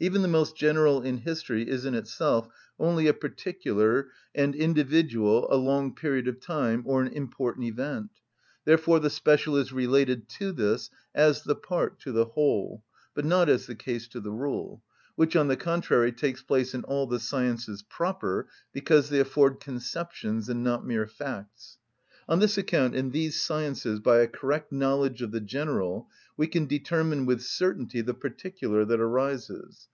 Even the most general in history is in itself only a particular and individual, a long period of time, or an important event; therefore the special is related to this as the part to the whole, but not as the case to the rule; which, on the contrary, takes place in all the sciences proper because they afford conceptions and not mere facts. On this account in these sciences by a correct knowledge of the general we can determine with certainty the particular that arises.